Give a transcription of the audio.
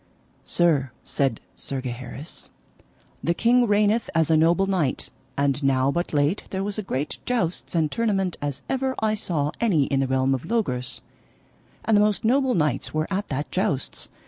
Sir, said Sir Gaheris, the king reigneth as a noble knight; and now but late there was a great jousts and tournament as ever I saw any in the realm of Logris, and the most noble knights were at that jousts.